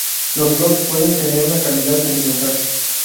Los blogs pueden tener una calidad sentimental.